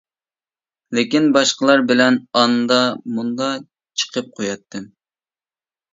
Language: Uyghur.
لېكىن باشقىلار بىلەن ئاندا-مۇندا چىقىپ قۇياتتىم.